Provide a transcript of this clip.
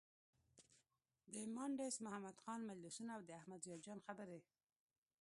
د مانډس محمد خان مجلسونه او د احمد ضیا جان خبرې.